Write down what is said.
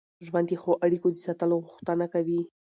ژوند د ښو اړیکو د ساتلو غوښتنه کوي.